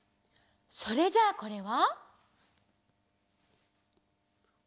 それじゃあこれは？